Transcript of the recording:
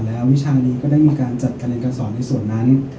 แล้ววิชานี้ก็จะได้จัดการแนะนำการสอนในส่วนนั้น